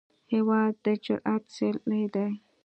هېواد د جرئت څلی دی.